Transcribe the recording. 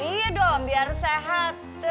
iya dong biar sehat